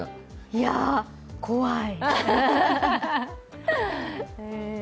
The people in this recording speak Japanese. いや、怖い。